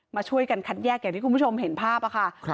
มาช่วยกันคัดแยกอย่างที่คุณผู้ชมเห็นภาพค่ะ